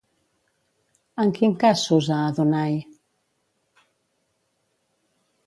En quin cas s'usa Adonai?